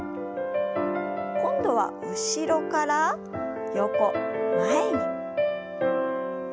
今度は後ろから横前に。